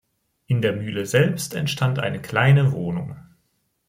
In der Mühle selbst entstand eine kleine Wohnung.